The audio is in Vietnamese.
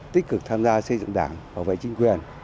tích cực tham gia xây dựng đảng bảo vệ chính quyền